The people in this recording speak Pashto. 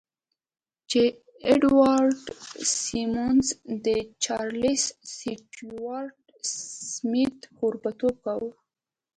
جې اډوارډ سيمونز او چارليس سټيوارټ سميت کوربهتوب کاوه.